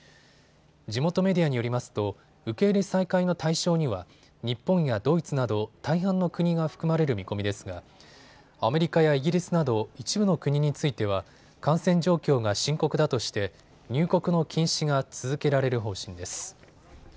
地元メディアによりますと受け入れ再開の対象には日本やドイツなど大半の国が含まれる見込みですがアメリカやイギリスなど一部の国については感染状況が深刻だとして入国の禁止が続けられる方針です。